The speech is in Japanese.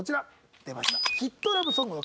出ました。